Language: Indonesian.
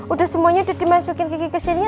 udah semuanya udah dimasukin ke ki kesininya